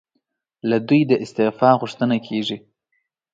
له دوی د استعفی غوښتنه کېږي.